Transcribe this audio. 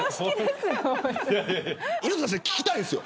犬塚先生、聞きたいんですよ。